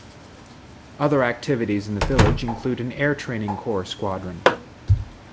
Other activities in the village include an Air Training Corps squadron.